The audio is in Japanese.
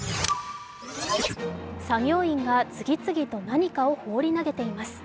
作業員が次々と何かを放り投げています。